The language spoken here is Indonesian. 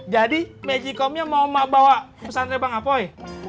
jadi magicomnya mau mbak bawa persantrenya bang apoi